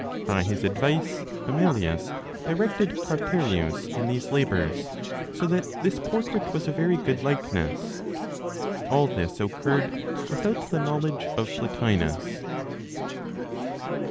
By his advice, Amelius directed Carterius in these labors, so that this portrait was a very good likeness. All this occurred without the knowledge of Plotinos.